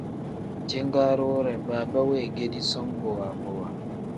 Jingaari wire baaba weegedi som bowa bowa.